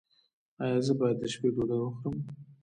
ایا زه باید د شپې ډوډۍ وخورم؟